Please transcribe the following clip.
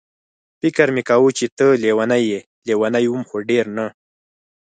فکر مې کاوه چې ته لېونۍ یې، لېونۍ وم خو ډېره نه.